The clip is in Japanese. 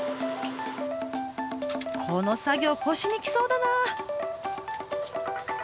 この作業腰にきそうだな！